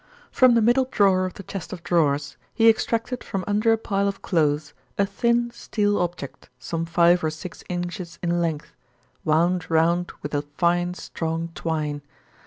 From the middle drawer of the chest of drawers, he extracted from under a pile of clothes a thin steel object, some five or six inches in length, wound round with a fine, strong twine.